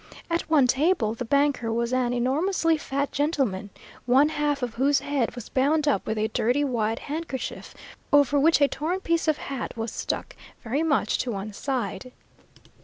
At one table, the banker was an enormously fat gentleman, one half of whose head was bound up with a dirty white handkerchief, over which a torn piece of hat was stuck, very much to one side.